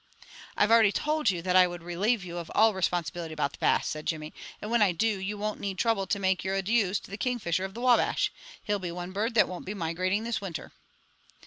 "I've already told you that I would relave you of all responsibility about the Bass," said Jimmy, "and when I do, you won't need trouble to make your adieus to the Kingfisher of the Wabash. He'll be one bird that won't be migrating this winter."